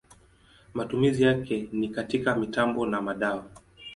Matumizi yake ni katika mitambo na madawa.